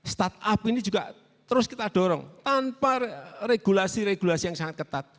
startup ini juga terus kita dorong tanpa regulasi regulasi yang sangat ketat